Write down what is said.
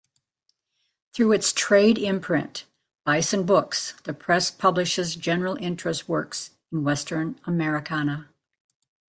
Through its trade imprint, Bison Books, the press publishes general-interest works in Western Americana.